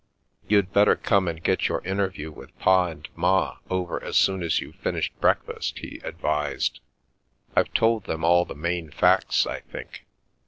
" You'd better come and get your interview with Pa and Ma over as soon as you've finished breakfast," he advised. " I've told them all the main facts, I think.